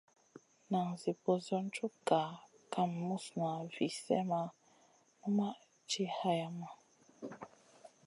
Nan Zi ɓosion cug gah kam muzna vi slèh ma numʼma ti hayama.